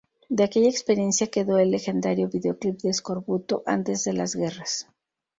De aquella experiencia quedó el legendario videoclip de Eskorbuto "Antes de las guerras".